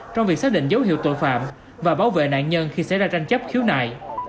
trong việc xác định dấu hiệu tội phạm và bảo vệ nạn nhân khi xảy ra tranh chấp khiếu nại